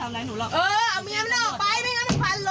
ไม่กล้าทำอะไรหนูหรอก